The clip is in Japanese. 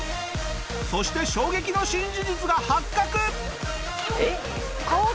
そして衝撃の新事実が発覚！